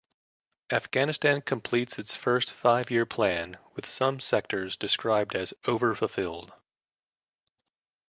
Afghanistan completes its first five-year plan, with some sectors described as over-fulfilled.